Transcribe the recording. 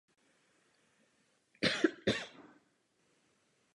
Je také dobré, že Komise navrhuje koordinované úsilí.